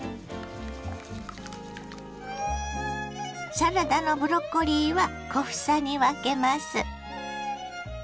サラダのブロッコリーは小房に分けます。